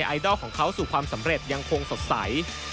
ไอดอลของเขาสู่ความสำเร็จยังคงสดใส